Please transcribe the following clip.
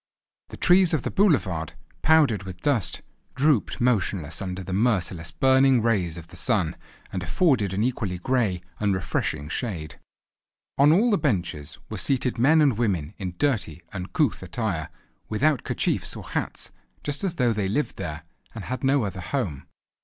The trees of the boulevard, powdered with dust, drooped motionless under the merciless burning rays of the sun, and afforded an equally grey, unrefreshing shade. On all the benches were seated men and women in dirty, uncouth attire, without kerchiefs or hats, just as though they lived there and had no other home.